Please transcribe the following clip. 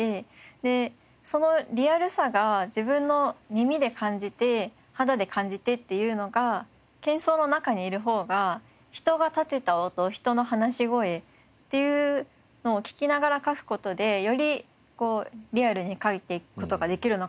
でそのリアルさが自分の耳で感じて肌で感じてっていうのが喧騒の中にいる方が人が立てた音人の話し声っていうのを聞きながら書く事でよりリアルに書いていく事ができるのかなと思ってるので。